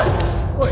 おい。